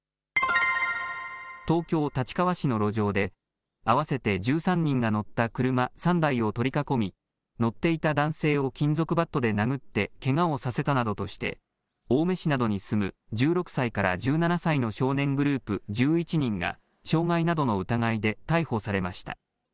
東京・立川市の路上で、合わせて１３人が乗った車３台を取り囲み、乗っていた男性を金属バットで殴ってけがをさせたなどとして、青梅市などに住む１６歳から１７歳の少年グループ１１人が、傷害などの疑いで逮捕されました。